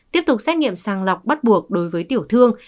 tiếp tục xét nghiệm sàng lọc bắt buộc đối với tiểu thương